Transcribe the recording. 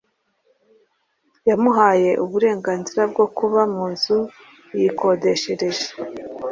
yamuhaye uburenganzira bwo kuba mu nzu yikodeshereje.